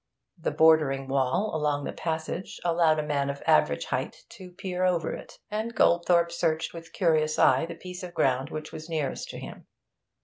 The bordering wall along the passage allowed a man of average height to peer over it, and Goldthorpe searched with curious eye the piece of ground which was nearest to him.